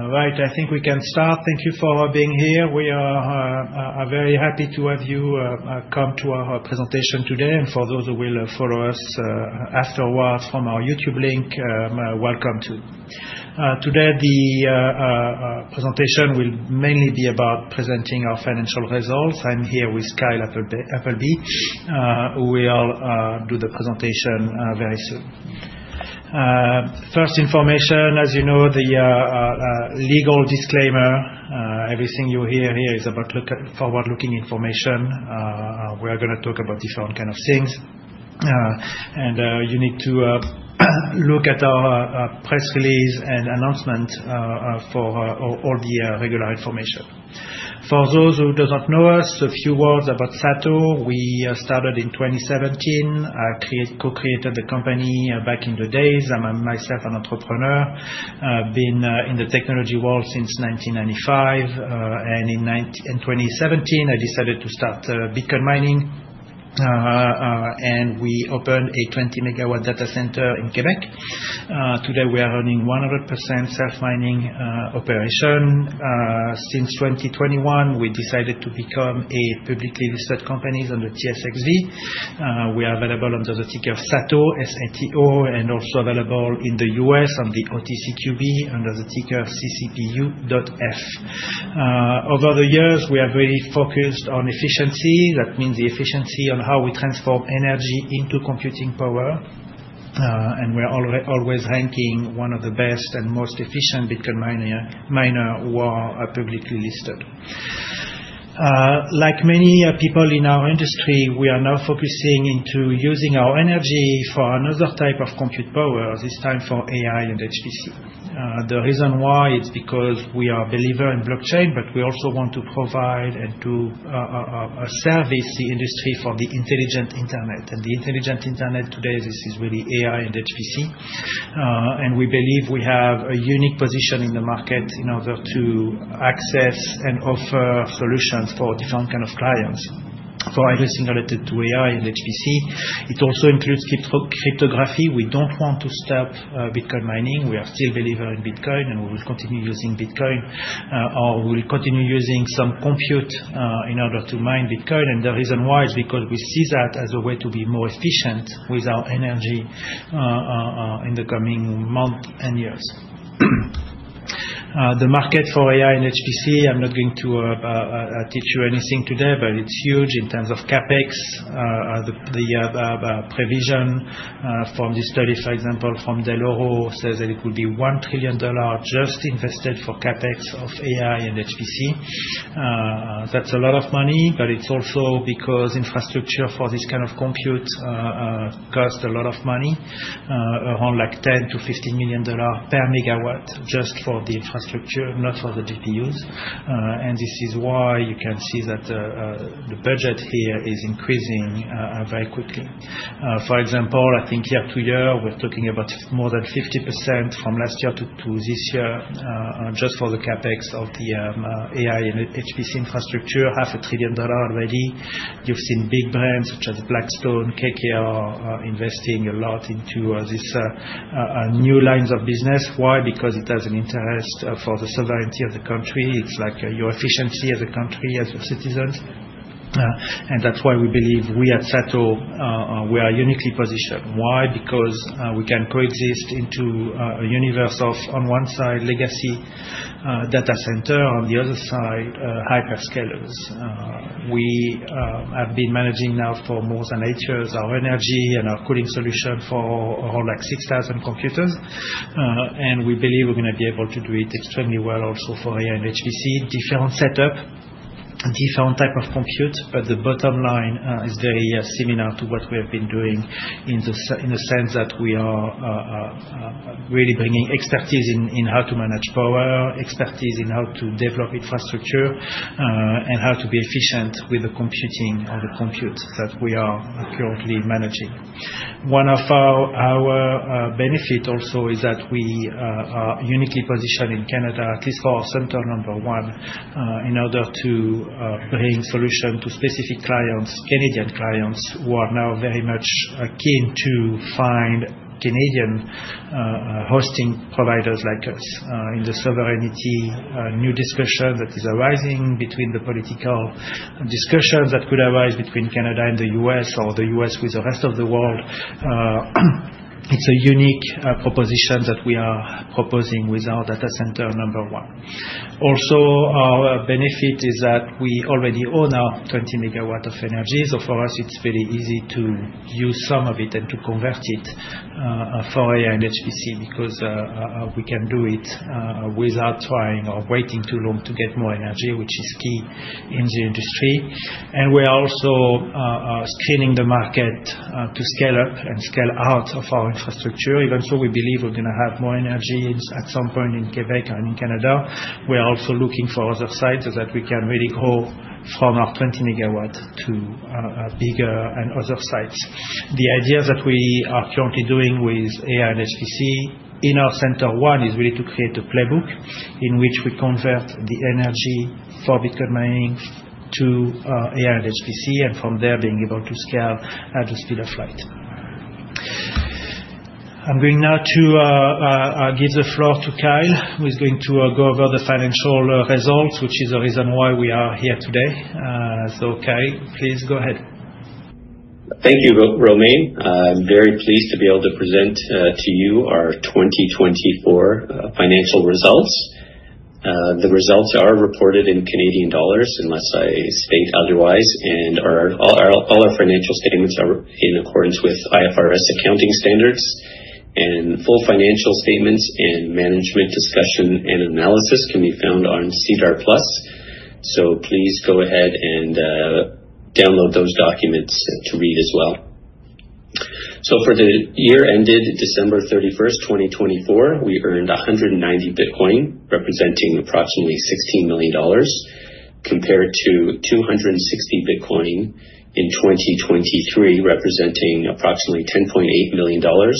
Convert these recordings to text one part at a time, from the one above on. All right, I think we can start. Thank you for being here. We are very happy to have you come to our presentation today. For those who will follow us afterwards from our YouTube link, welcome too. Today, the presentation will mainly be about presenting our financial results. I'm here with Kyle Appleby, who will do the presentation very soon. First information, as you know, the legal disclaimer. Everything you hear here is about forward-looking information. We are going to talk about different kinds of things. You need to look at our press release and announcement for all the regular information. For those who do not know us, a few words about SATO. We started in 2017, co-created the company back in the days. I'm myself an entrepreneur, been in the technology world since 1995. In 2017, I decided to start Bitcoin mining. We opened a 20 MW data center in Quebec. Today, we are running a 100% self-mining operation. Since 2021, we decided to become a publicly listed company under TSXV. We are available under the ticker SATO, S-A-T-O, and also available in the U.S. under the OTCQB, under the ticker CCPU.F. Over the years, we have really focused on efficiency. That means the efficiency on how we transform energy into compute power. We are always ranking one of the best and most efficient Bitcoin miners who are publicly listed. Like many people in our industry, we are now focusing into using our energy for another type of compute power. This time for AI and HPC. The reason why is because we are a believer in blockchain, but we also want to provide and to service the industry for the intelligent internet. The intelligent internet today, this is really AI and HPC. We believe we have a unique position in the market in order to access and offer solutions for different kinds of clients. For everything related to AI and HPC, it also includes cryptography. We do not want to stop Bitcoin mining. We are still a believer in Bitcoin, and we will continue using Bitcoin. We will continue using some compute in order to mine Bitcoin. The reason why is because we see that as a way to be more efficient with our energy in the coming months and years. The market for AI and HPC, I am not going to teach you anything today, but it is huge in terms of CapEx. The provision from this study, for example, from Deloitte, says that it will be $1 trillion just invested for CapEx of AI and HPC. That's a lot of money, but it's also because infrastructure for this kind of compute costs a lot of money, around like 10million-15 million dollars per megawatt just for the infrastructure, not for the GPUs. This is why you can see that the budget here is increasing very quickly. For example, I think year to year, we're talking about more than 50% from last year to this year just for the CapEx of the AI and HPC infrastructure, 500 billion dollars already. You've seen big brands such as Blackstone, KKR investing a lot into these new lines of business. Why? Because it has an interest for the sovereignty of the country. It's like your efficiency as a country, as your citizens. That's why we believe we at SATO, we are uniquely positioned. Why? Because we can coexist into a universe of, on one side, legacy data center, on the other side, hyperscalers. We have been managing now for more than eight years our energy and our cooling solution for around like 6,000 computers. And we believe we're going to be able to do it extremely well also for AI and HPC. Different setup, different type of compute, but the bottom line is very similar to what we have been doing in the sense that we are really bringing expertise in how to manage power, expertise in how to develop infrastructure, and how to be efficient with the computing or the compute that we are currently managing. One of our benefits also is that we are uniquely positioned in Canada, at least for our center number one, in order to bring solutions to specific clients, Canadian clients, who are now very much keen to find Canadian hosting providers like us. In the sovereignty new discussion that is arising between the political discussions that could arise between Canada and the U.S. or the U.S. with the rest of the world, it's a unique proposition that we are proposing with our data center number one. Also, our benefit is that we already own our 20 MW of energy. For us, it's very easy to use some of it and to convert it for AI and HPC because we can do it without trying or waiting too long to get more energy, which is key in the industry. We are also screening the market to scale up and scale out of our infrastructure. Even though we believe we are going to have more energy at some point in Quebec and in Canada, we are also looking for other sites so that we can really grow from our 20 MW to bigger and other sites. The ideas that we are currently doing with AI and HPC in our center one is really to create a playbook in which we convert the energy for Bitcoin mining to AI and HPC, and from there, being able to scale at the speed of light. I am going now to give the floor to Kyle, who is going to go over the financial results, which is the reason why we are here today. Kyle, please go ahead. Thank you, Romain. I'm very pleased to be able to present to you our 2024 financial results. The results are reported in Canadian dollars, unless I state otherwise, and all our financial statements are in accordance with IFRS accounting standards. Full financial statements and management discussion and analysis can be found on CDAR+. Please go ahead and download those documents to read as well. For the year ended December 31st, 2024, we earned 190 Bitcoin, representing approximately 16 million dollars, compared to 260 Bitcoin in 2023, representing approximately 10.8 million dollars.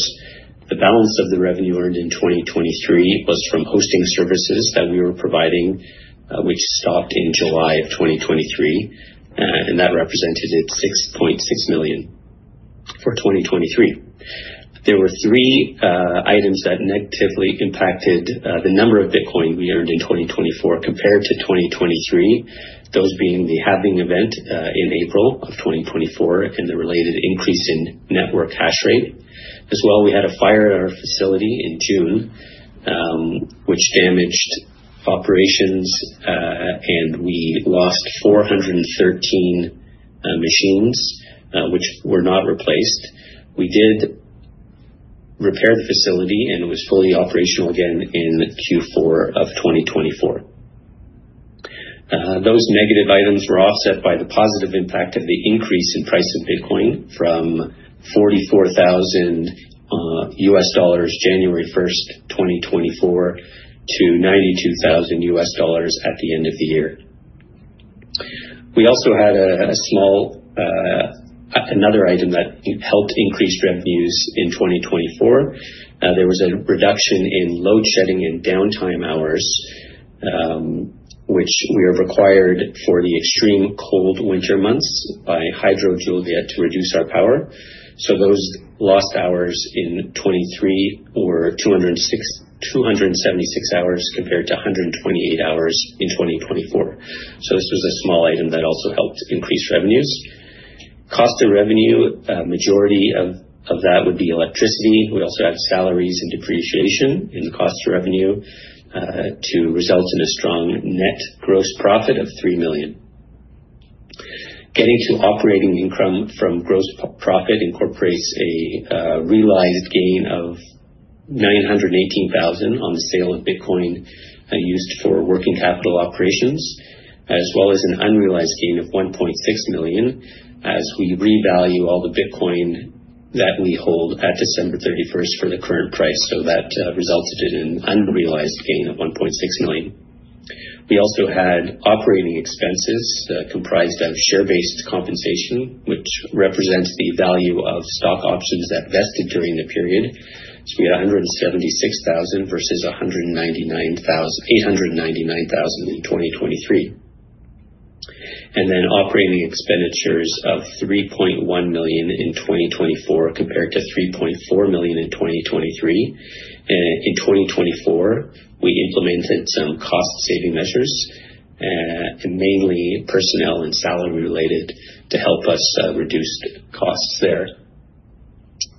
The balance of the revenue earned in 2023 was from hosting services that we were providing, which stopped in July of 2023. That represented 6.6 million for 2023. There were three items that negatively impacted the number of Bitcoin we earned in 2024 compared to 2023, those being the halving event in April of 2024 and the related increase in network hash rate. As well, we had a fire at our facility in June, which damaged operations, and we lost 413 machines, which were not replaced. We did repair the facility, and it was fully operational again in Q4 of 2024. Those negative items were offset by the positive impact of the increase in price of Bitcoin from $44,000 January 1st, 2024, to $92,000 at the end of the year. We also had another item that helped increase revenues in 2024. There was a reduction in load shedding and downtime hours, which we are required for the extreme cold winter months by Hydro-Québec to reduce our power. Those lost hours in 2023 were 276 hours compared to 128 hours in 2024. This was a small item that also helped increase revenues. Cost of revenue, majority of that would be electricity. We also had salaries and depreciation in the cost of revenue to result in a strong net gross profit of 3 million. Getting to operating income from gross profit incorporates a realized gain of 918,000 on the sale of Bitcoin used for working capital operations, as well as an unrealized gain of 1.6 million as we revalue all the Bitcoin that we hold at December 31 for the current price. That resulted in an unrealized gain of $1.6 million. We also had operating expenses comprised of share-based compensation, which represents the value of stock options that vested during the period. We had $176,000 versus $899,000 in 2023. Operating expenditures of $3.1 million in 2024 compared to $3.4 million in 2023. In 2024, we implemented some cost-saving measures, mainly personnel and salary-related, to help us reduce costs there.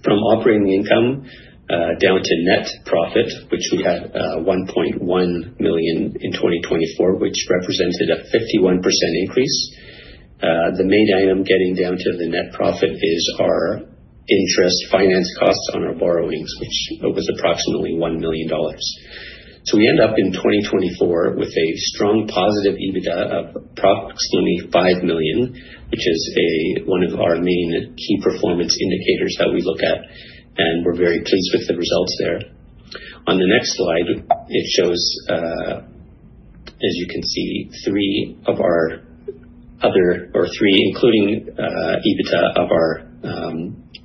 From operating income down to net profit, we had $1.1 million in 2024, which represented a 51% increase. The main item getting down to the net profit is our interest finance costs on our borrowings, which was approximately $1 million. We end up in 2024 with a strong positive EBITDA of approximately $5 million, which is one of our main key performance indicators that we look at. We are very pleased with the results there. On the next slide, it shows, as you can see, three of our other or three, including EBITDA, of our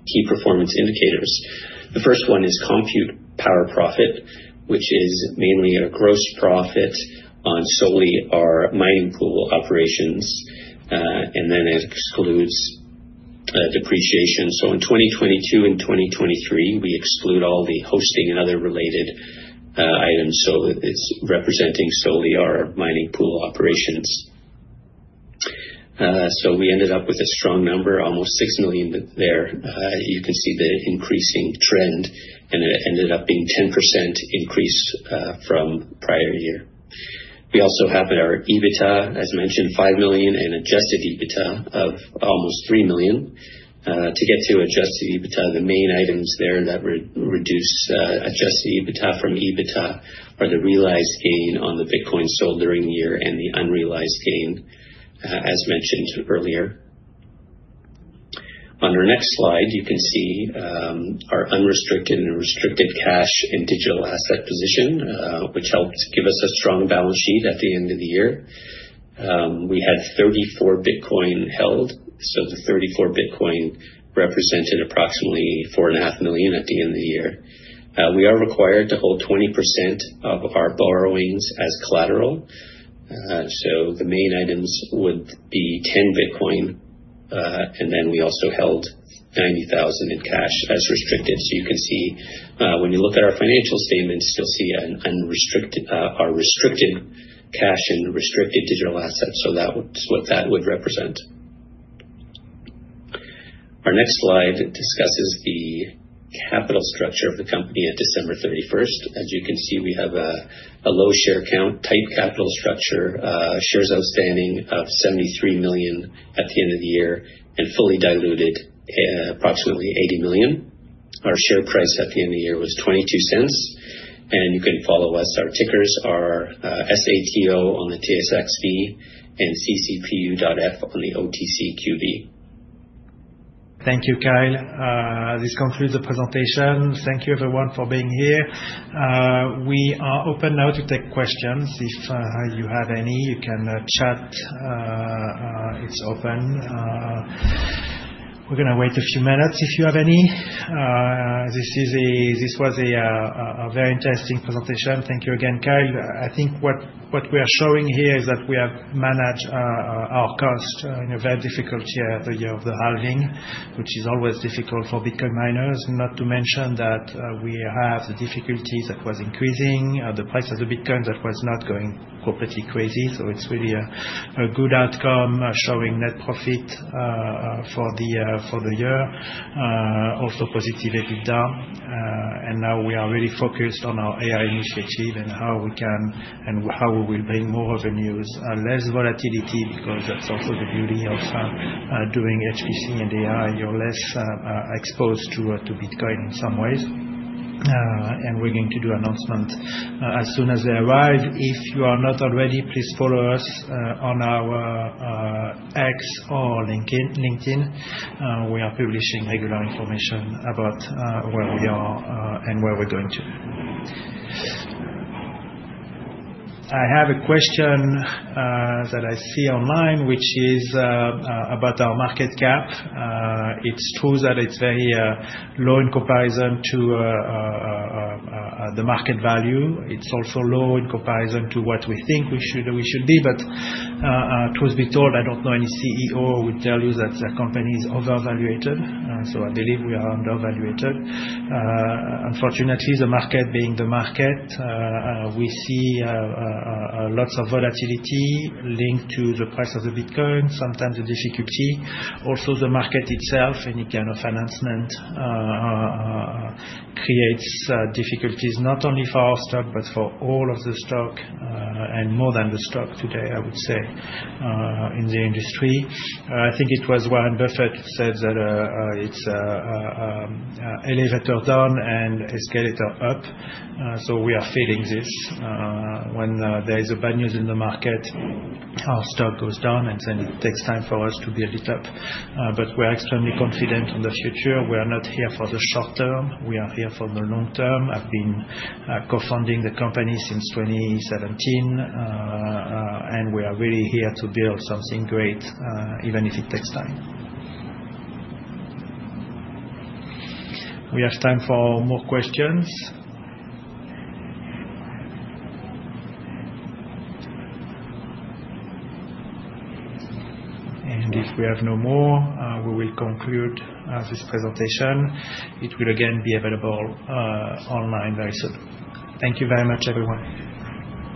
key performance indicators. The first one is compute power profit, which is mainly a gross profit on solely our mining pool operations, and then it excludes depreciation. In 2022 and 2023, we exclude all the hosting and other related items. It is representing solely our mining pool operations. We ended up with a strong number, almost $6 million there. You can see the increasing trend, and it ended up being a 10% increase from prior year. We also have our EBITDA, as mentioned, 5 million and adjusted EBITDA of almost 3 million. To get to adjusted EBITDA, the main items there that reduce adjusted EBITDA from EBITDA are the realized gain on the Bitcoin sold during the year and the unrealized gain, as mentioned earlier. On our next slide, you can see our unrestricted and restricted cash and digital asset position, which helped give us a strong balance sheet at the end of the year. We had 34 Bitcoin held. The 34 Bitcoin represented approximately 4.5 million at the end of the year. We are required to hold 20% of our borrowings as collateral. The main items would be 10 Bitcoin, and then we also held 90,000 in cash as restricted. You can see when you look at our financial statements, you'll see our restricted cash and restricted digital assets. That is what that would represent. Our next slide discusses the capital structure of the company at December 31st, 2023. As you can see, we have a low share count type capital structure, shares outstanding of 73 million at the end of the year, and fully diluted approximately 80 million. Our share price at the end of the year was 0.22. You can follow us. Our tickers are SATO on the TSXV and CCPU.F on the OTCQB. Thank you, Kyle. This concludes the presentation. Thank you, everyone, for being here. We are open now to take questions. If you have any, you can chat. It's open. We're going to wait a few minutes if you have any. This was a very interesting presentation. Thank you again, Kyle. I think what we are showing here is that we have managed our cost in a very difficult year at the year of the halving, which is always difficult for Bitcoin miners, not to mention that we have the difficulty that was increasing, the price of the Bitcoin that was not going completely crazy. It is really a good outcome showing net profit for the year, also positive EBITDA. We are really focused on our AI initiative and how we can and how we will bring more revenues, less volatility, because that's also the beauty of doing HPC and AI. You're less exposed to Bitcoin in some ways. We are going to do announcements as soon as they arrive. If you are not already, please follow us on our X or LinkedIn. We are publishing regular information about where we are and where we're going to. I have a question that I see online, which is about our market cap. It's true that it's very low in comparison to the market value. It's also low in comparison to what we think we should be. Truth be told, I don't know any CEO who would tell you that the company is overvaluated. I believe we are undervaluated. Unfortunately, the market being the market, we see lots of volatility linked to the price of Bitcoin, sometimes the difficulty. Also, the market itself, any kind of announcement creates difficulties, not only for our stock, but for all of the stock and more than the stock today, I would say, in the industry. I think it was Warren Buffett who said that it's elevator down and escalator up. We are feeling this. When there is bad news in the market, our stock goes down, and it takes time for us to build it up. We are extremely confident in the future. We are not here for the short term. We are here for the long term. I've been co-founding the company since 2017, and we are really here to build something great, even if it takes time. We have time for more questions. If we have no more, we will conclude this presentation. It will again be available online very soon. Thank you very much, everyone.